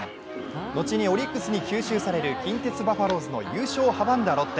後にオリックスに吸収される近鉄バファローズの優勝を阻んだロッテ。